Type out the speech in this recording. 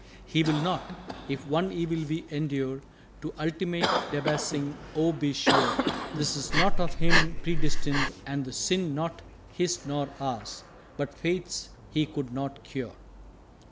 _" "He will not. If one evil we endure To ultimate Debasing, oh, be sure 'Tis not of Him predestined, and the sin Not His nor ours but Fate's He could not cure."